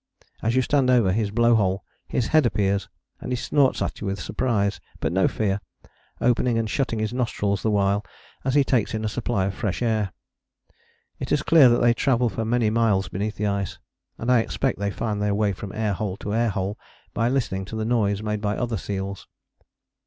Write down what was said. As you stand over his blow hole his head appears, and he snorts at you with surprise but no fear, opening and shutting his nostrils the while as he takes in a supply of fresh air. It is clear that they travel for many miles beneath the ice, and I expect they find their way from air hole to air hole by listening to the noise made by other seals.